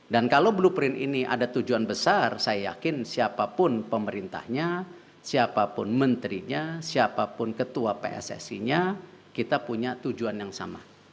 dan kalau blueprint ini ada tujuan besar saya yakin siapapun pemerintahnya siapapun menterinya siapapun ketua pssi nya kita punya tujuan yang sama